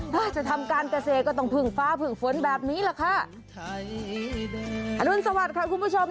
ถ้าจะทำการเกษตรก็ต้องพึ่งฟ้าพึ่งฝนแบบนี้แหละค่ะอรุณสวัสดิ์ค่ะคุณผู้ชม